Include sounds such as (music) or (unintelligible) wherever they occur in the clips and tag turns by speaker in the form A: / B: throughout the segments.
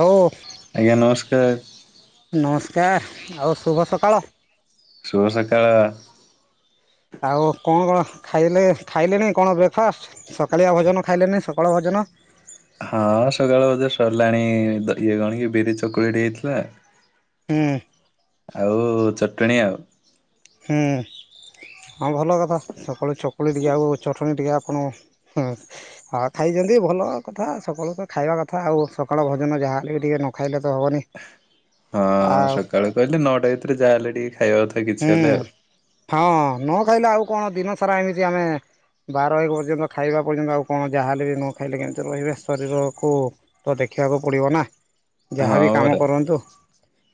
A: ହଉ
B: ଆଜ୍ଞା ନମସ୍କାର।
A: ନମସ୍କାର ଆଉ ଶୁଭ ସକାଳ।
B: ଶୁଭ ସକାଳ।
A: ଆଉ କଣ କଣ ଖାଇଲେ ଖାଇଲେଣି କଣ ବ୍ରେକଫାଷ୍ଟ ସକାଳିଆ ଭୋଜନ ଖାଇଲେନି ସକଳ ଭୋଜନ ନ
B: ହଁ ସକାଳ ବଧେ ସରିଲାଣି ଦ ଇଏ କଣ କି ବିରି ଚକୁଳିଟି ହେଇଥିଲା।
A: ହୁଁ।
B: ଆଉ ଚଟଣି ଆଉ।
A: ହୁଁ ହଁ ଭଲ କଥା ସକାଳେ ଚକୁଳି ଟିକେ ଆଉ ଚଟଣି ଟିକେ ଆପଣ ହଁ ଖାଇଛନ୍ତି ଭଲ କଥା ସକାଳୁ ତ ଖାଇବା କଥା ଆଉ ସକାଳ ଭଜନ ଯାହା ହେଲେ ବି ଟିକେ ନଖାଇଲେ ତ ହବନି।
B: ହଁ
A: ଆଉ
B: ସକାଳୁ କହିଲେ ନଅଟା ଭିତରେ ଯାହା ହେଲେ ଟିକେ ଖାଇବା। କଥା କିଛି ହେଲେ
A: ହୁଁ
B: ଆଉ।
A: ହଁ ନ ଖାଇଲେ ଆଉ କଣ ଦିନ ସାରା ଏମିତି ଆମେ ବାର ଏକ ପର୍ଯ୍ୟନ୍ତ ଖାଇବା ପର୍ଯ୍ୟନ୍ତ ଆଉ କଣ ଯାହାହଲେ ବି ନ ଖାଇଲେ କେମିତି ରହିବେ ଶରୀରକୁ ତ ଦେ ଦେଖିବାକୁ ପଡ଼ିବ ନା। ଯାହାବି
B: ହଁ
A: କାମ
B: ପରା
A: କରନ୍ତୁ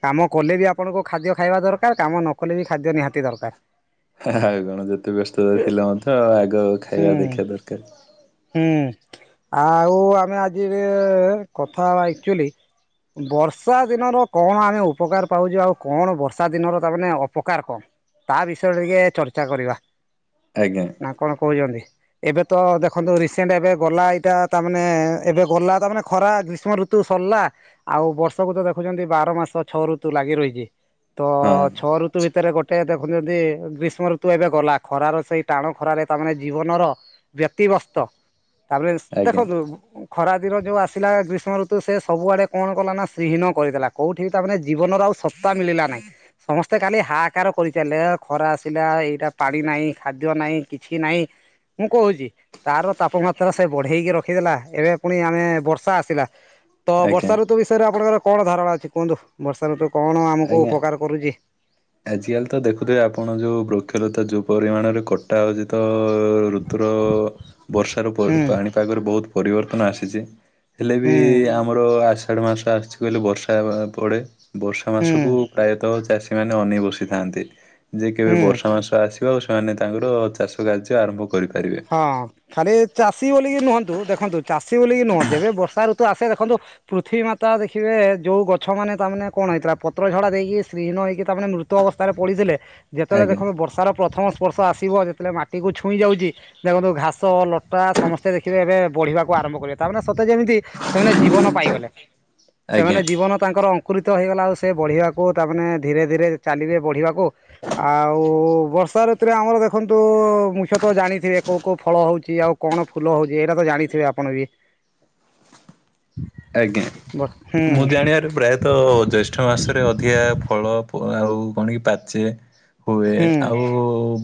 A: କାମ କଲେ ବି ଆପଣଙ୍କୁ ଖାଦ୍ୟ ଖାଇବା ଦରକାର କାମ ନ କଲେ ବିି ଖାଦ୍ୟ ନିହାତି ଦରକାର।
B: ଆଉ କଣ ଯେତେ ବ୍ୟସ୍ତତା ଥିଲେ ମଧ୍ୟ ଆଗ
A: ହୁଁ
B: ଖାଇବା ଦେଖିବା ଦରକାର।
A: ହୁଁ ଆଉ ଆମେ ଆଜି କଥାବା ଆକ୍ଚୁଆଲି ବର୍ଷା ଦିନର କଣ ଆମେ ଉପକାର ପାଉଛୁ ଆଉ କଣ ବର୍ଷା ଦିନର ତାମାନେ ଅପକାର କଣ ତା ବିଷୟରେ ଟିକେ ଚର୍ଚ୍ଚା କରିବା
B: ଆଜ୍ଞା
A: ନା କଣ କହୁଛନ୍ତି? ଏବେ ତ ଦେଖନ୍ତୁ ରିସେଣ୍ଟ ଏବେ ଗଲା ଏଇଟା ତାମାନେ ଏବେ ଗଲା ତାମାନେ ଖରା ଗ୍ରୀଷ୍ମ ଋତୁ ସ ଲା ଆଉ ବର୍ଷକୁ ତ ଦେଖୁଛନ୍ତି ବାର ମାସ ଛଅ ଋତୁ ଲାଗି ରହିଛି ତ
B: ହଁ
A: ଛଅ ଋତୁ
B: ଆଚ୍ଛା
A: ଭିତରେ ଗୋଟେ ଦେଖୁଛନ୍ତି ଗ୍ରୀଷ୍ମ ଋତୁ ଏବେ ଗଲା ଖରାର ସେଇ ଟାଣ ଖରାରେ ତା ମାନେ ଜୀବନର ବ୍ୟତିବ୍ୟସ୍ତ ତାପରେ
B: ଆଜ୍ଞା
A: ଦେଖନ୍ତୁ ଖରାଦିନ ଯେଉଁ ଆସିଲା ଗ୍ରୀଷ୍ମ ଋତୁ ସେ ସବୁଆଡ଼େ କଣ କଲା ନା ଶ୍ରୀହୀନ କରିଦଲା କେଉଁଠି ବି ତାମାନେେ ଜୀବନର ଆଉ ସତା ମିଳିଲା ନାହିଁ। ସମସ୍ତେ ତେ ଖାଲି ହାହାକାର କରିଚାଲିଲେ ଖରା ଆସିଲା ଏଇଟା ପାଣି ନାହିଁ ଖାଦ୍ୟ ନାହିଁ କିଛି ନାହିଁ। ମୁଁ କହୁଛି ତାର ତାପମାତ୍ରା ସେ ବଢ଼େଇକି ରଖିଦେଲା ଏବେ ପୁଣି ଆମେ ବର୍ଷା ଆସିଲା ତ
B: ଆଜ୍ଞା
A: ବର୍ଷା ଋତୁ ବିଷୟରେ ଆପଣଙ୍କର କଣ ଧାରଣା ଅଛି କୁହନ୍ତୁ ବର୍ଷା ଋତୁ କଣ ଆମକୁ
B: ଆଜ୍ଞା।
A: ଉପକାର କରୁଛି?
B: ଆଜିକାଲି ତ ଦେଖୁଥିବେ ଆପଣ ଯୋଉ ବୃକ୍ଷଲତା ଯୋଉ ପରିମାଣରେ କଟା ହଉଛି ତ ଅ ଋତୁର ବର୍ଷାର
A: ହୁଁ
B: ପାଣିପାଗରେ ବହୁତ ପରିବର୍ତ୍ତନ ଆସିଛି। ହେଲେ ବି
A: ହୁଁ
B: ଆମର ଆଷାଢ଼ ମାସ ଆସିଛି କହିଲେ ବର୍ଷା ହେ ପଡେ ଆ ମାସକୁ
A: ହୁଁ
B: ପ୍ରାୟତଃ ଚାଷୀ ମାନ ଅନେଇ ବସିଥାନ୍ତି ଯେ କେବେ
A: ହୁଁ।
B: ବର୍ଷା ମାସ ଆସି ବ ସେମାନେ ତାଙ୍କର ଚାଷ କାର୍ଯ୍ୟ ଆରମ୍ଭ କରିପାରିବେ।
A: ହଁ ଖାଲି ଚାଷୀ ବୋଲି ବିକି ନୁହନ୍ତୁ ଦେଖନ୍ତୁ ଚାଷୀ ବୋଲିକି ନୁହନ୍ତିୁ ଏବେ ବର୍ଷା ଋତୁ ଆସେ ଦେନ୍ତୁ ପୃଥିବୀ ମାତା ଦେଖିବେ ଯୋଉ ଗଛ ମାନେ ତାମାନେ କଣ ହେଇଥିଲା ପତ୍ର ଝଡା ଦେଇକି ସ୍ତ୍ରୀହୀନ ହେଇକି ତାମାନେ ମୃତ ଅବସ୍ଥାରେ ପଡ଼ିଥିଲେ। ଯେତେବେଳେ
B: ଆଜ୍ଞା
A: ଦେଖନ୍ତୁ ବର୍ଷାର ପ୍ରଥମ ସ୍ପର୍ଶ ଆସିବ ଯେତେବେଳେ ମାଟିକୁ ଛୁଇଁ ଯାଉଛି କିନ୍ତୁ ଘାସ ଲଟା ସମସ୍ତେ ଦେଖିବେ ଏବେ ବଢିବାକୁ ଆରମ୍ଭ କରିବେ ତାମାନେ ସତେ ଯେମିତି ସେମାନେ ଜୀବନ ପାଇଗଲେ ସେମାନେ
B: ଆଜ୍ଞା
A: ଜୀବନ ତାଙ୍କର ପ୍ରକୃତ ହେଇଗଲା ଆଉ ସେ ବଢ଼ିବାକୁ ତାମାନେ ଧୀରେଧୀରେ ଚାଲିବେ ବଢ଼ିବାକୁ ଆଉ ବ ବର୍ଷା ଋତୁରେ ଆମର ଦେଖନ୍ତୁ ମୁଖ୍ୟତଃ ଜାଣିଥିବେ କୋଉ କୋଉ ଫଳ ହୋଉଛି ଆଉ କଣ ଫୁଲ ହୋଉଛି ଏଇରା ତ ଜାଣିଥିବେ ଆପଣ ବି।
B: ଆଜ୍ଞା।
A: ହୁଁ
B: ମୁଁ ଜାଣିବାରେ ପ୍ରାୟତଃ ଜ୍ୟେଷ୍ଠ ମାସରେ ଅଧିକା ଫଳ ଆଉ ବଣିକି ପାଚେ ହୁଏ।
A: ହୁଁ
B: ଆଉ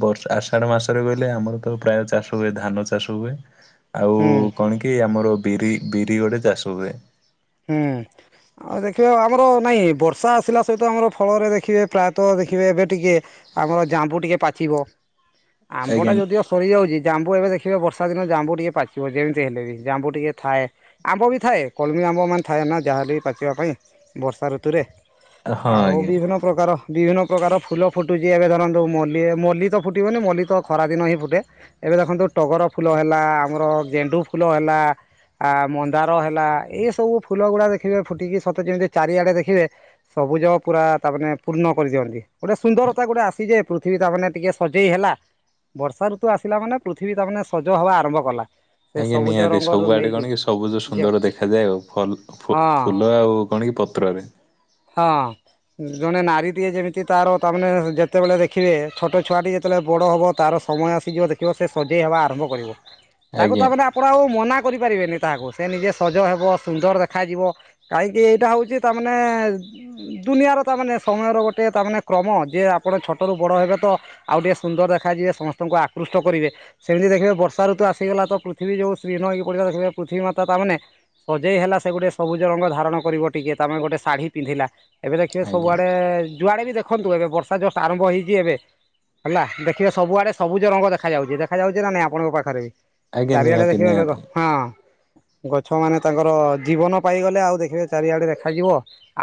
B: ବ ଆଷାଢ ମାସରେ ବୋଇଲେ ଆମରତ ପ୍ରାୟ ଚାଷ ହୁଏ ଧାନ ଚାଷ ହୁଏ। ଆଉ
A: ହୁଁ
B: କଣ କି ଆମର ବିରି ବିରି ଗୋଟେ ଚାଷ ହୁଏ।
A: ହୁଁ। ଆଉ ଦେଖିବ ଆମର ନାଇଁ ବର୍ଷା ଆସିଲା ସହିତ ଆମର ଫଳରେ ଦେଖିବେ ପ୍ରାୟତଃ ଦେଖିବେ ଏବେ ଟିକେ ଆମର ଜାମ୍ୱୁ ଟିକେ ପାଚିବ ଆମ୍ବ ଟା
B: ଆଜ୍ଞା।
A: ଯଦିଓ ସରିଯାଉଛି ଜାମ୍ବୁ ଏବେ ଦେଖିବେ ବର୍ଷା ଦିନେ ଜାମ୍ବୁ ଟିକେ ପାଚିବ ଯେମିତି ହେଲେ ବି ଜାମ୍ବୁ ଟିକେ ଥାଏ ଆମ୍ବ ବି ଥାଏ। କଲମ୍ୱି ସମ୍ମାନ ଥାଏ ନା ଯାହାଲେ ପାଚିବା ପାଇଁ ବର୍ଷା ଋତୁରେ
B: ହଁ
A: ଆଉ
B: ଆଜ୍ଞା
A: ବିଭିନ୍ନ ପ୍ରକାର ବିଭିନ୍ନ ପ୍ରକାର ଫୁଲ ଫୁଟୁଛି ଏବେ ଧରନ୍ତୁ ମଲ୍ଲି ମଲ୍ଲି ତ ଫୁଟିବନି ମଲ୍ଲି ତ ଖରାଦିନ ହିଁ ଫୁଟେ ଏ ଏବେ ଦେଖନ୍ତୁ ଟଗରଫୁଲ ହେଲା ଆମର ଗେଣ୍ଡୁଫୁଲ ହେଲା ଆ ମନ୍ଦାର ହେଲା ଏସ୍‌ ସବୁ ଫୁଲ ଗୁଡା ଦେଖିବେ ଫୁଟିକି ସତେ ଯେମିତି ଚାରିଆଡେ ଦେଖିବେ ସବୁଜ ପୁରା ତାମାନେ ପୂର୍ଣ୍ଣ କରିଦିଏ। ଗୋଟେ ସୁନ୍ଦରତା ଗୋଟେ ଆସିଯେ ପୃଥିବୀ ତା ମାନେ ଟିକେ ସଜେଇ ହେଲା ବର୍ଷା ଋତୁ ଆସିଲା ମାନେ ପୃଥିବୀ ତା ମାନେ ସଜ ହବା ଆରମ୍ଭ କଲା। ସେ
B: ଆଜ୍ଞା
A: ସବୁଜ
B: ନିହାତି
A: ରଙ୍ଗରୁ
B: ସବୁଆଡେ
A: ନେଇକି
B: କଣ କି ସବୁଯ
A: ଯେ
B: ସୁନ୍ଦର ଦେଖାଯାଏ ଆଉ। ଫଲ
A: ହଁ
B: ଫୁଲ ଆଉ କଣ କି ପତ୍ରରେ।
A: ହଁ। ଜଣେ ନାରୀଟିଏ ଯେମିତି ତାର ତାମାନେେ ଯେତେବେଳେ ଦେଖିବେ ଛୋଟ ଛୁଆଟି ଯେତେବେଳେ ବଡ ହବ ତାର ସମୟ ଆସିଯିବ ଦେଖିବ ସେ ସଜେଇ ହେବା ଆରମ୍ଭ କରିବ। ତାକୁ
B: ଆଜ୍ଞା
A: ତାମାନେ ଆପଣ ଆଉ ମନା କରିପାରିବେନି ତାହାକୁ ସେ ନିଜେ ସଜ ହେବ। ସୁନ୍ଦର ଦେଖାଯିବ, କାହିଁକି ଏଇଟା ହୋଉଚି ତାମାନେ ଦୁନିଆର ତାମାନେ ସମୟର ଗୋଟେ ତାମାନେେ କ୍ରମ ଯେ ଆପଣ ଛୋଟରୁ ବଡ଼ ହେବେ ତ ଆଉ ଟିକେ ସୁନ୍ଦର ଦେଖାଯିବେ ସମସ୍ତଙ୍କୁ ଆକୃଷ୍ଟ କରିବେ। ସେମିତି ଦେଖିବେ ବର୍ଷ ଋତୁ ଆସିଗଲା ତ ପୃଥିବୀ ଯୋଉ ଶ୍ରୀହୀନ ହେଇକି ପଡିଥିଲା ଦେଖିବ ପୃଥିବୀ ମାତା ତାମାନେ ସଜେଇ ହେଲା ସେ ଗୋଟେ ସବୁଜ ରଙ୍ଗ ଧାରଣ କରିବ ଟିକେ ତାମେ ଗୋଟେ ଶାଢୀ ପିନ୍ଧି ଏବେ ଦେଖିବେ
B: ଆଜ୍ଞା
A: ସବୁଆଡେ ଯୁଆଡେ ବି ଦେଖନ୍ତୁ ଏବେ ବର୍ଷା ଜଷ୍ଟ ଆରମ୍ଭ ହେଇଚି ଏବେ। ହେଲା ଦେଖିବେ ସବୁଆଡେ ସବୁଜ ରଙ୍ଗ ଦେଖାଯାଉଚି ଦେଖାଯାଉଛି ନା ନାଇଁ ଆପଣଙ୍କ ପାଖରେ ବି।
B: ଆଜ୍ଞା
A: ଚାରିଆଟେ
B: ନିହାତି
A: ଦେଖିବା ବଗ
B: ନିହାତି
A: ହଁ ଗଛ ମାନେ ତାଙ୍କର ଜୀବନ ପାଇଗଲେ ଆଉ ଦେଖିବେ ଚାରିଆଡେ ଦେଖାଯିବ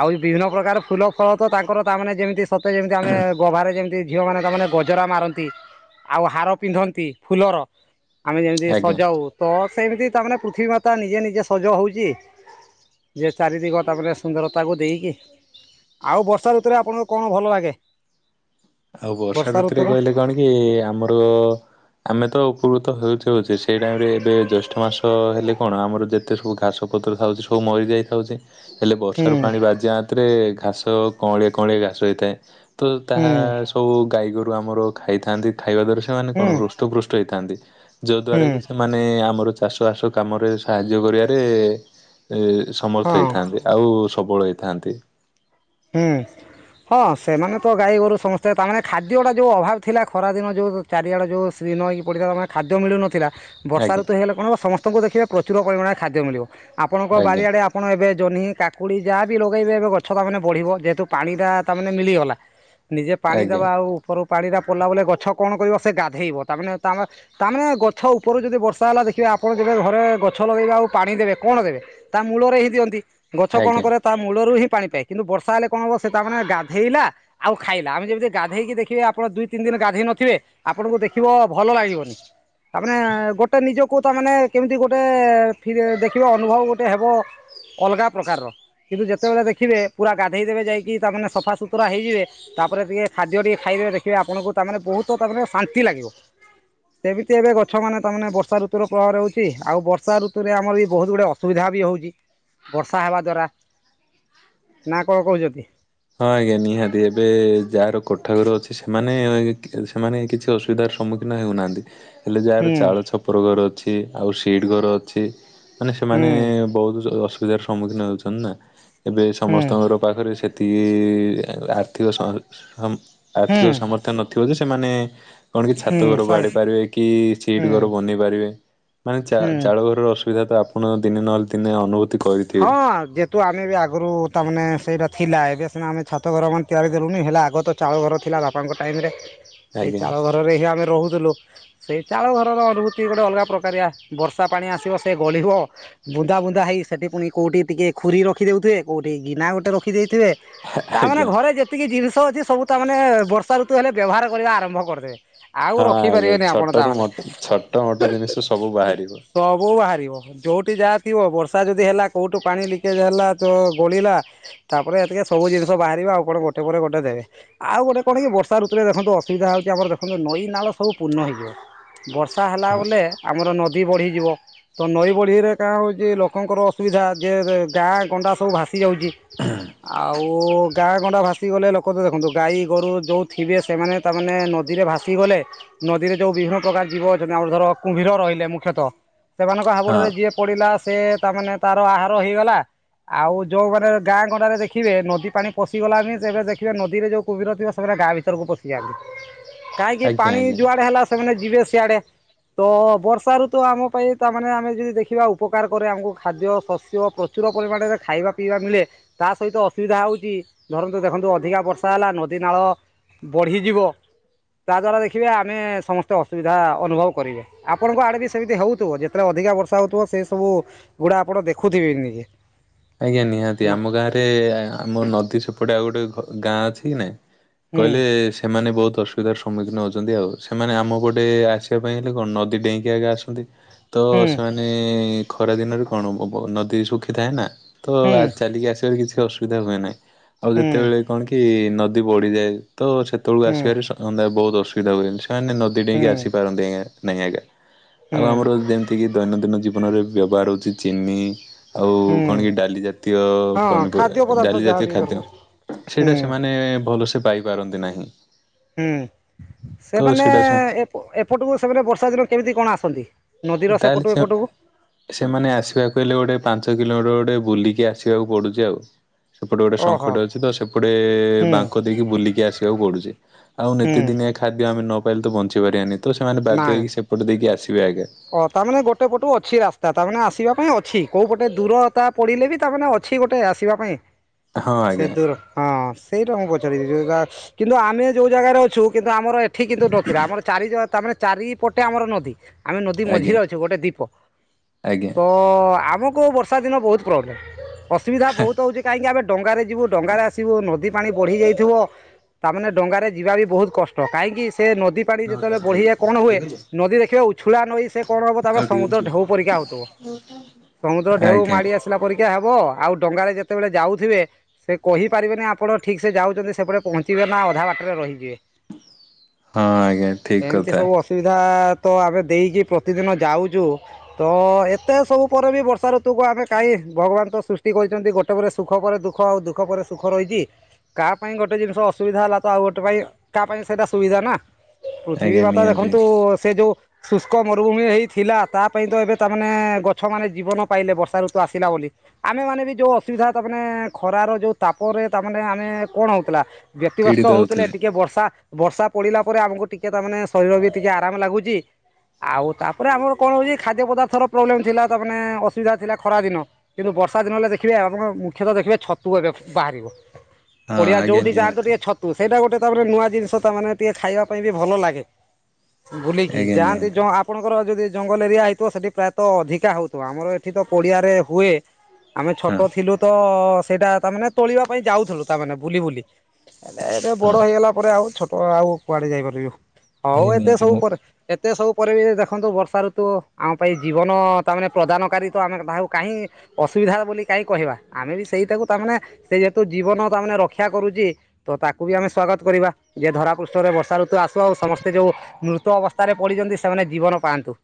A: ଆଉ ବିଭିନ୍ନ ପ୍ରକାର ଫୁଲ ଫଳ ତ ତାଙ୍କର ତାମାନେ ଯେମିତି ସତେ ଯେମିତି ଆମେ ଗଭାରେ ଯେମିତି ଝିଅମାନେ ତାମାନେ ଗଜରା ମାରନ୍ତି ଆଉ ହାର ପିନ୍ଧନ୍ତି ଫୁଲର। ଆମେ ଯେମିତି
B: ଆଜ୍ଞା।
A: ସଜାଉ ତ ସେମିତି ତାମାନେ ପୃଥିବୀ ମାତା ନିଜେ ନିଜେ ସଜ ହୋଉଚି। ଯେ ଚାରିଦିିଗ ତାମାନେ ସୁନ୍ଦରତାକୁ ଦେଇକି ଆଉ ବର୍ଷା ଋତୁରେ ଆପଣଙ୍କୁ କଣ ଭଲ ଲାଗେ?
B: ଆଉ ବର୍ଷା ଋତୁରେ କହିଲେ କଣ କି ଆମର ଆମେ ତ ପ୍ରକୃତ ହେଉଛି ହେଉଛି ସେଇ ଟାଇମରେ ଏବେ ଜ୍ୟୈଷ୍ଠ ମାସ ହେଲେ କଣ ଆମର ଯେତେ ସବୁ ଘାସପତ୍ର ଥାଉଛି ସବୁ ମରି ଯାଇଥାଉଛି ହେଲେ
A: ହୁଁ
B: ବର୍ଷାର ପାଣି ବାଜିବା ହାତରେ ଘାସ କଅଁଳିଆ କଅଁଳିଆ ଘାସ ହେଇଥାଏ। ତ
A: ହୁଁ
B: ତାହା ସବୁ ଗାଈଗୋରୁ ଆମର ଖାଇଥାନ୍ତି ଖାଇବା ଦ୍ଵାରା ସେମାନେ କଣ
A: ହୁଁ
B: ହୃଷ୍ଟପୃଷ୍ଟ। ଥାନ୍ତି
A: ହୁଁ
B: ଯୋଉଦ୍ଵାରା କି ସେମାନେ ଆମର ଚାଷବାସ କାମରେ ସାହାଯ୍ୟ କରିବାରେ ସମର୍ଥ
A: ହଁ
B: ହେଇଥା ଆଉ। ସବଳ ହୋଇଥାନ୍ତି।
A: ଏମାନେ ତ ଗାଈ ଗୋରୁ ସମସ୍ତେ ତାମାନେ ଖାଦ୍ୟଟା ଯେଉଁ ଅଭାବ ଥିଲା ଖରାଦିନ ଯେଉଁ ଚାରିଆଡ଼େ ଯେଉଁ ଶ୍ରୀହୀନ ହେଇକି ପଡ଼ିଥିଲା। ସେ ଖାଦ୍ୟ ମିଳୁନଥିଲା। ବର୍ଷା
B: ଆଜ୍ଞା
A: ଋତୁ ହେଲେ କଣ ହେବ ସମସ୍ତଙ୍କୁ ଦେଖିବେ ପ୍ରଚୁର ପରିମାଣରେ ଖାଦ୍ୟ ମିଳିବ, ଆପଣଙ୍କ
B: ଆଜ୍ଞା
A: ବାରିଆଡ଼େ ଆପଣ ଏବେ ଜହ୍ନି କାକୁଡି ଯାହା ବି ଲଗେଇବେ ଏବେ ଗଛ ତା ମାନେ ବଢିବ ଯେହେତୁ ପାଣି ଟା ତାମାନୋନେ ମିଳିଗଲା। ନିଜେ ପାଣି
B: ଆଜ୍ଞା
A: ଦବା ଆଉ ଉପର ପାଣି ଟା ପଡ଼ିଲଲା ବଲେ ଗଛ କଣ କରିବ ସେ ଗାଧେଇବ ତାମାନେ ତା ତାମାନେେ ଗଛ ଉପରୁ ଯଦି ବର୍ଷା ହେଲା ଦେଖି ଆପଣ ଯେବେ ଘରେ ଗଛ ଲଗେଇବେ ଆଉ ପାଣି ଦେବେ କଣ ଦେବେ ତା ମୂଳରେ ହିଁ ଦିଅନ୍ତି। ଗଛ କଣ
B: ଆଜ୍ଞା।
A: କରେ ତା ମୂଳରୁ ହିଁ ପାଣି ପାଏ। କିନ୍ତୁ ବର୍ଷା ହେଲେ କଣ ହବ ସେ ତା ମମାନେ ଗାଧେଇଲା ଆଉ ଖାଇଲା ଆ ଯେମିତି ଗାଧେଇକି ଦେଖେ ଆପଣ ଦୁଇ ତିନି ଦିନ ଗାଧୋଇ ନଥିବେ ଆପଣଙ୍କୁ ଦେଖିବ ଭଲ ଲାଗିବନି। ତାମାନେେ ଗୋଟେ ନିଜକୁ ତାମାନେ କେମିତି ଗୋଟେ ଦେଖିବା ଅନୁଭବ ଗୋଟେ ହେବ। ଅଲଗା ପ୍ରକାରର କିନ୍ତୁ ଯେତେବେଳେ ଦେଖିବେ ପୁରା ଗାଧୋଇ ଦେେବେ ଯାଇକି ତାମାନେ ସଫା ସୁତୁରା ହୋଇଯେ ତାପ ଟିକେ ଖାଦ୍ୟ ଟିକେ ଖାଇଦେବେ ଦେଖିବେ ଆପଣଙ୍କୁ ତାମାନେ ବହୁତ ତା ମ ଶାନ୍ତି ଲାଗିବ। ସେମିତି ଏବେ ଗଛ ମାନେ ତମାନେ ବର୍ଷାଋତୁୁର ପ୍ରହ ରହୁଉଚି ଆଉ ବଷାଋତୁରେ ଆମର ବି ବହୁତ ଗୁଡେ ଅସୁବିଧା। ବି ହଉଚି ବର୍ଷା ହେବା ଦ୍ଵାରା ନା କଣ କହୁଛନ୍ତି।
B: ହଁ ଆଜ୍ଞା ନିହାତି ଏବେ ଯାହାର କୋଠା ଘର ଅଛି ସେମାନେ ସେମାନେ କିଛି ଅସୁବିଧା ସମ୍ମୁଖୀନ ହେଉନାହାନ୍ତି ହେଲେ ଯାହାର
A: ହୁଁ
B: ଚାଳ ଛପର ଘର ଅଛି ଆଉ ସିଟି ଘର ଅଛି। ମାନେ
A: ହୁଁ
B: ସେମାନେ ବହୁତ ଅସୁବିଧାର ସମ୍ମୁଖୀନ ହେଉଛନ୍ତି ନା ଏବେ
A: ହୁଁ
B: ସମସ୍ତଙ୍କର ପାଖରେ ସେ ଏ ଆର୍ଥିକ ସ ଆର୍ଥିକ
A: ହୁଁ
B: ସାମର୍ଥ୍ୟ ନଥିବ ଯେ ସେମାନେ କଣ କି ଛାତ ଘର ବାଡି
A: ହୁଁ
B: ପାରିବେ କି ସିଟ ଘର
A: ହୁଁ
B: ବନେଇ ପାରିବେ ମାନେ ଚା-
A: ହୁଁ
B: ଚାଳ ଘରର ଅସୁବିଧା ତ ଆପଣ ଦିନେ ନହେଲେ ଦିନେ ଅନୁଭୂ
A: ହଁ ଯେହେତୁ ଆମେ ବି ଆଗରୁ ତା ମାନେ ସେଇଟା ଥିଲା। ଏ ସିନା ଆମେ ଛାତ ଘର ମାନେ ତିଆରି ଦେଲୁନି। ହେଲେ ଆଗ ତ ଚାଳ ଘର ଥିଲା ବାପାଙ୍କ ଟାଇମ୍ ରେ। ସେଇ
B: ଆଜ୍ଞା
A: ଚାଳ ଘରରେ ହିଁ ଆମେ ରହୁଥୁଲୁ। ସେଇ ଚାଳ ଘରର ଅନୁଭୂତି ଗୋଟେ ଅଲଗା ପ୍ରକାରିଆ। ବର୍ଷା ପାଣି ଆସିବ ସେ ଗଳିବ। ବୁନ୍ଦା ବୁନ୍ଦା ହେଇ ସେଠି ପୁଣି କୋଉଠି ଟିକେ ଖୁରୀ ରଖିଦଉଥିବ। କୋଉଠି ଗିନା ଗୋଟେ ରଖି ଦେଇ ଥିବେ ତା ମାନେ
B: ଆଜ୍ଞା
A: ଘରେ ଯେତିକି ଜିନି ଷ ଅଛି ସବୁ ତା ମାନେ ବର୍ଷା ଋତୁ ହେଲେ ବ୍ୟବହାର କରିବା ଆରମ୍ଭ କରିଦେବେ। ଆଉ
B: ହଁ ଆଜ୍ଞା
A: ରଖିପାରିବେନି ଆପଣ
B: ଛୋଟ ରୁ
A: ତାମାନେ
B: ମୋଟ ଛୋଟ ମୋଟ ଜିନିଷ ସବୁ ବାହାରିବ।
A: ସବୁ ବାହାରିବ ଯୋଉଠି ଯାହା ଥିବ। ବର୍ଷ ତା ଯଦି ହେଲା କୋଉଟୁ ପାଣି ଲିକେଜ୍ ହେଲା ତ ଗୋଳିଲ ତାପରେ ଏତିକେ ସବୁ ଜିନିଷ ବାହାରିବ। ଆପଣ ଗୋ ଟେ ପରେ ଗୋଟେ ଦେବେ। ଆଉ ଗୋଟେ କଣ କି ଏ ବର୍ଷା ଋତୁରେ ଦେଖନ୍ତୁ ଅସୁବିଧା ହଉଚି ଆମର ଦେଖନ୍ତୁ ନଈ ନାଳ ସବୁୂ ପୂର୍ଣ୍ଣ ହେଇଯିବ। ବର୍ଷା ହେଲା
B: ହଁ
A: ବଲେ ଆମର ନଦୀ ବଢ଼ିଯିବ। ତ ନଈ ବଢ଼ିରେ କାଣ ହଉଚି ଲୋ କଙ୍କର ଅସୁବିଧା ଯେ ବେ-ଗାଁ ଗଣ୍ଡା ସବୁ ଭାସି ଯାଉଚି। ଆଉ ଗାଁ ଗଣ୍ଡା ଭାସି ଗଲେ। ଲୋକ ତ ଦେଖନ୍ତୁ ଗାଈ ଗୋରୁ ଯୋଉ ଥିବେ ସେମାନେ ତା ମାନେ ନଦୀରେ ଭାସି ଗଲେ ନଦୀରେ ଯୋଉ ବିଭିନ୍ନ ପ୍ରକାର ଜୀବ ଯେମିତି ଆମର ଧର କୁମ୍ଭୀର ରହିଲେ ମୁଖ୍ୟତଃ ସେମାନଙ୍କ ହାବୁଡରେ ଯିଏ ପଡିଲା ସେ ତା ମାନେ ତାର ଆହାର ହେଇଗଲା। ଆଉ ଯୋଉମାନେ ଗାଁ ଗଣ୍ଡାରେ ଦେଖିବେ ନଦୀ ପାଣି ପଶି ଗଲାଣିି। ତେବେ ଦେଖିବେ ନଦୀରେ ଯୋଉ କୁମ୍ଭୀର ଥିବ ସେମାନେ ଏ ଗାଁ ଭିତରକୁ ପଶିଯାଆନ୍ତି। କାହିଁକି
B: ଆଜ୍ଞା
A: ପାଣି
B: ଆଜ୍ଞା।
A: ଯୁଆଡେ ହେଲା ସେମାନେ ଯିବେ ସିଆଡେ ତ ବର୍ଷା ଋତୁ ଆମ ପାଇଁ ତା ମାନେ ଆମେ ଯଦି ଦେଖିବା ଉପକାର କରେ ଆମକୁ ଖାଦ୍ୟ ଶସ୍ୟ ପ୍ରଚୁର ପରିମାଣରେ ଖାଇବା ପିଇବା ମିଳେ ତା ସହିତ ଅସୁବିଧା ହଉଚି ଧରନ୍ତ ଦେଖନ୍ କିନ୍ତୁ ଅଧିକା ବର୍ଷା ହେଲା ନଦୀ ନାଳ ବଢିଯିବ। ତା ଦ୍ଵାରା ଦେଖିବେ ଆମେ ସମସ୍ତେ ଅସୁବିଧା ଅନୁଭବ କରିବେ। ଆପଣଙ୍କ ଆଡେ ବି ସେମିତି ହଉଥୁବ। ଯେତେବେଳେ ଅ ଅଧିକା ବର୍ଷା ହଉଥୁବ ସେ ସବୁ ଗୁଡା ଆପଣ ଦେଖୁଥିବେ ଏଇ ନିକି।
B: ଆଜ୍ଞା ନିହାତି ଆମ ଗାଁ ରେ ଆମ ନଦୀ ସେପଟେ ଆଉ ଗୋଟେଘ- ଗାଁ ଅଛି କି ନାଇଁ।
A: ହୁଁ
B: କହିଲେ ସେମାନେ ବହୁତ ତ ଅସୁବିଧାର ସମ୍ମୁଖୀନ ହଉଛନ୍ତି ଆଉ। ସେମାନେ ଆମ ପଟେ ଆସିବା ପାଇଁ ହେଲେ କଣ ନଦୀ ଡେଇଁକି ଆଗେ ଆସନ୍ତି। ତ
A: ହୁଁ
B: ସେମାନେ ଖରା ଦିନରେ କଣ ବ-ବ- ନଦୀ ଶୁଖିଥାଏ ନା। ତ
A: ହୁଁ
B: ଆ, ଚାଲିକି ଆସିବାରେ କିଛି ଅସୁବିଧା ହୁଏ ନାହିଁ। ଆଉ
A: ହୁଁ
B: ଯେତେବେଳେ କଣ କି ନଦୀ ବଢିଯାଏ ତ ସେତେବେଳକୁ
A: ହୁଁ
B: ଆସିବାରେ ସ-ଅନ ଦା ବହୁତ ଅସୁବିଧା ହୁଏ ଏମତି। ସେମାନେ ନଦୀ ଡେଇଁକି ଆସି ପାରନ୍ତି ଏଇଁଏ ନେହି ଆଏଗା।
A: ହୁଁ
B: ଆଉ ଆମର ଯେମିତି କିି ଦୈନନ୍ଦିନ ଜୀବନରେ ବ୍ୟବହାର ହଉଚି ଚିନି। ଆଉ
A: ହୁଁ
B: କଣ
A: ହୁଁ
B: କି ଡାଲି ଜାତୀୟ
A: ହଁ
B: ପନିପରିବା
A: ଖାଦ୍ୟ
B: ଏ
A: ପଦାର୍ଥ
B: ଡାଲି
A: ଯାହା
B: ଜାତୀୟ
A: ବି
B: ଖାଦ୍ୟ
A: ଦରକାର ହୁଁ
B: ସେଇଟା ସେମାନେ ଭଲସେ ସେ ପାଇପାରନ୍ତି ନାହିଁ।
A: ହୁଁ
B: ତ
A: ସେମାନେ
B: ସେଇଟା
A: ଏପ ଏପଟକୁ ସେମାନେ ବର୍ଷା ଦିନରେ କେମିତି କଣ ଆସନ୍ତି? ନଦୀର
B: ତାହେଲେ
A: ସେପଟୁ
B: ସେ
A: ଏପଟକୁ
B: ସେମାନେ ଆସିବାକୁ ହେଲେ ଗୋଟେ ପାଞ୍ଚ କିଲୋମିଟର୍ ଗୋ ଟେ ବୁଲିକି ଆସିବାକୁ ପଡୁଚି ଆଉ। ସେପଟେ ଗୋଟେ
A: ଓହୋ
B: ସଙ୍ଖ ଟେ ଅଛି ତ ସେପଟେ
A: ହୁଁ
B: ବାଙ୍କ ଦେଇକି ବୁଲିକି ଆସିବାକୁ ପଡୁଚି। ଆଉ
A: ହୁଁ
B: ନିତି ଦିନିଆ ଖାଦ୍ୟ ଆମେ ନ ପାଇଲେ ତ ବଞ୍ଚିପାରିବାନି। ତ ସେମାନେ ବାଧ୍ୟ ହେଇକି ସେପଟେ ଦେଇକି ଆସିବେ ଆଜ୍ଞା।
A: ଅ, ତା ମାନେ ଗୋଟେ ପଟୁ ଅଛି ରାସ୍ତା ତାମାନେ ଆସିବା ପାଇଁ ଅଛି। କୋଉ ପଟେ ଦୂରତା ପଡିଲେ ବି ତା ମାନେ ଅଛି ଗୋ ଟେ ଆସିବା ପାଇଁ।
B: ହଁ
A: ସେ
B: ଆଜ୍ଞା
A: ଦୂର ହଁ ସେଇଟା ମୁଁ ପ ଚାରିବି ଯୋଉଗା କିନ୍ତୁ ଆମେ ଯୋଉ ଜାଗାରେ ଅଛୁ କିନ୍ତୁ ଆମର ଏଠି କିନ୍ତୁ ନଥିଲା ଆମର ଚାରି ଜ- ତା ମାନେ ଚାରିପଟେ ଆମର ନଦୀ। ଆମେ ନଦୀ ମଝିରେ
B: ଆଜ୍ଞା
A: ଅଛେ ଗୋଟେ ଦୀପ।
B: ଆଜ୍ଞା।
A: ତ ଆମ କୁ ବର୍ଷା ଦିନ ବହୁତ ପ୍ରୋବ୍ଲେମ୍। ଅୁବିଧା ବହୁତ ହଉଚି କାହିଁକି ଆମେ ଡଙ୍ଗାରେ ଯିବୁ ଡଙ୍ଗାରେ ଆସିବୁ। ନଦୀ ପାଣି ବଢି ଯାଇଥିବ। ତା ମାନେ ଡଙ୍ଗାରେ ଯିବା ବି ବହୁତ କଷ୍ଟ। କାହିଁକି ସେ ନଦୀ ପାଣି ଯେତେବେଳେ ବଢିଆ ହୁଏ ନଦୀ ଦେଖିବ ଉଛୁଳା ନଈ ସେ କଣ ହବ (unintelligible)
B: ଆଉ ଟିକେ
A: ସମୁଦ୍ର
B: ଅଛି।
A: ଢେଉ ପରିକା ହଉଥୁବ। ସମୁଦ୍ର ଢେଉ
B: ଆଜ୍ଞା
A: ମାଡି ଆସିଲା ପରି କା ହବ ଆଉ ଡଙ୍ଗାରେ ଯେତେବେଳେ ଯାଉଥିବେ ସେ କହିପାରିବେନି ଆପଣ ଠିକ ସେ ଯାଉଚନ୍ତି ସେପଟେ ପହଞ୍ଚିବେ ଏ ନା ଅଧା ବାଟରେ ରହିଯିବେ।
B: ହଁ ଆଜ୍ଞା ଠିକ କଥା।
A: ଏତେ ସବୁ ଅସୁବିଧା ତ ଆମେ ଦେଇକି ପ୍ରତିଦିନ ଯାଉଚୁ ତ ଏତେ ସବୁ ପରେ ବି ବର୍ଷା ଋତୁକୁ ଆମେ କାହିଁ ଭଗବାନ ତ ସୃଷ୍ଟି କରିଛନ୍ତି, ଗୋଟେ ପରେୋ ସୁଖ ପରେ ଦୁଃଖ ଆଉ ଦୁଃଖ ପରେ ସୁଖ ରହିଚି। କାହା ପାଇଁ ଗୋଟେ ଜିନିଷ ଅସୁବିଧା ହେଲା ତ ଆଉ ଗୋଟେ ପାଇଁ କାହା ପାଇଁ ସେଇଟା ସୁବିଧା ନା। ପୃଥିବୀ
B: ଆଜ୍ଞା
A: ବା
B: ନିହାତି
A: ଦେଖନ୍ତୁ ସେ ଯୋଉ ଶୁଷ୍କ ମରୁଭୂମି ହେଇ ଥିଲା ତା ପାଇଁ ତ ଏବେ ତାମାନେ ଗଛ ମାନେ ଜୀବନ ପାଇଲେ ବର୍ଷା ଋତୁ ଆସିଲା ବୋଲି। ଆମେ ମାନେ ବି ଯୋଉ ଅସୁବିଧା ତା ମାନେ ଖରାର ଯୋଉ ତାପରେ ତାମାନେ ଆମେ କଣ ହଉଥିଲା। ବ୍ୟତିବ୍ୟସ୍ତ
B: ପୀଡିତ
A: ହୋଉଥିଲେ
B: ହଉଥିଲେ।
A: ଟିକେ ବର୍ଷା ବର୍ଷା ପଡିଲା ପରେ ଆମକୁ ଟିକେ ତାମାନେେ ଶରୀର ବି ଟିକେ ଆରାମ ଲାଗୁଚି। ଆଉ ତାପରେ ଆମର କଣ ହଉଛି ଖାଦ୍ୟ ପଦାର୍ଥର ପ୍ରୋବ୍ଲେମ ଥିଲା ତା ମାନେ ଅସୁବିଧା ଥିଲା ଖରା ଦିନ କିନ୍ତୁ ବର୍ଷା ଦିନ ହେଲେ ଦେଖିବେ ଆପଣଙ୍କ ମୁଖ୍ୟତଃ ଦେଖିବେ ଛତୁ ଏ ବାହା
B: ହଁ
A: ପଡିଆ
B: ଆଜ୍ଞା
A: ଯୋଉଠି ଯାଆନ୍ତୁ
B: ନିହାତି
A: ଟିକେ ଛତୁ ସେଇଟା ଗୋଟେ। ତାପ ନୂଆ ଜିନିଷ ତା ମାନେ ଟିକେ ଖାଇବା ପାଇଁ ବି ଭଲ ଲାଗେ। ବୁଲିକି
B: ଆଜ୍ଞା
A: ଯାଆନ୍ତି
B: ନିହାତି
A: ଯୋଉ ଆପଣଙ୍କର ଯଦି ଜଙ୍ଗଲ ଏରିଆ ହେଇଥିବ ସେଠି ପ୍ରାୟତଃ ଅଧିକା ହଉଥିବ ଆମର ଏଠି ତ ପଡିଆରେ ହୁଏ। ଆମେ ଛୋଟ
B: ହଁ
A: ଥିଲୁ ତ ସେଇଟା ତାମାନେେ ତୋଳିବା ପାଇଁ ଯାଉଥିଲୁ ତାମାନେେ ବୁଲି ବୁଲି। ହେ ଏବେ ବଡ
B: ହଁ
A: ହେଇଗଲା ପରେ ଆଉ ଛୋଟ ଆଉ କୁଆଡେ ଯାଇପାରୁନୁ। ହଉ
B: ଆଜ୍ଞା
A: ଏତେ
B: ନିହାତି
A: ସବୁ
B: ମୁଁ
A: ପରେ ଏତେ ସବୁ ପରେ ବି ଦେଖନ୍ତୁ ବର୍ଷା ଋତୁ ଆମ ପାଇଁ ଜୀବନ ତାମାନେ ପ୍ରଦାନକାରୀ ତ ଆମେ ତାହାକୁ କାହିଁ ଅସୁବିଧା ବୋଲି କାହିଁ କହିବା ଆମେ ବି ସେଇଟାକୁ ତାମାନେ ସେ ଯେହେତୁ ଜୀବନ ତାମାନୋନେ ରକ୍ଷା କରୁଚି। ତ ତାକୁ ବି ଆମେ ସ୍ଵାଗତ କରିବା ଯେ ଧରାପୃଷ୍ଠରେ ବର୍ଷା ଋତୁ ଆସୁ ଆଉ ସମସ୍ତେ ଯୋଉ ମୃତ ଅବସ୍ଥାରେ ପଡିଛନ୍ତି ସେମାନେ ଜୀବନ ପାଆନ୍ତୁ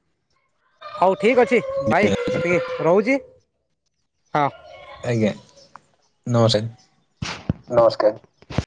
A: ହଉ। ଠିକ୍ ଅଛି ଭାଇ ଟିକେ ରହୁଚି ହଁ।
B: ଆଜ୍ଞା ନଅ ସେ
A: ନମସ୍କାର।